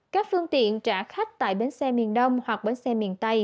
các phương tiện trả khách tại bến xe miền đông hoặc bến xe miền tây